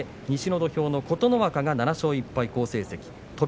西の土俵の琴ノ若が７勝１敗好成績です。